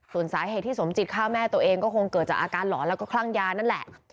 ส่วนสาเหตุที่สมจิตฆ่าแม่ตัวเองก็คงเกิดจากอาการหลอนแล้วก็คลั่งยานั่นแหละ